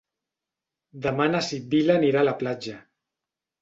Demà na Sibil·la anirà a la platja.